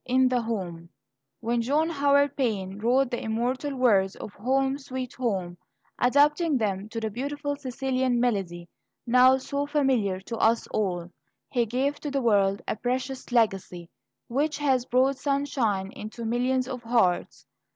IN THE HOME When John Howard Payne wrote the immortal words of "Home, Sweet Home," adapting them to the beautiful Sicilian melody, now so familiar to us all, he gave to the world a precious legacy, which has brought sunshine into millions of hearts.